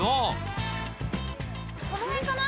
この辺かな。